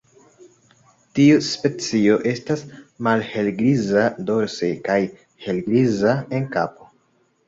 Tiu specio estas malhelgriza dorse kaj helgriza en kapo.